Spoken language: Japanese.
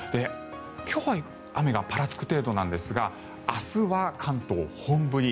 今日は雨がぱらつく程度なんですが明日は関東、本降り。